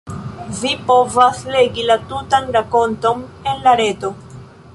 Vi povas legi la tutan rakonton en la reto.